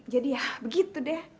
jadi ya begitu deh